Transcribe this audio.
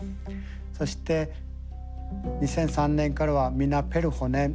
そして２００３年からは「ミナペルホネン」。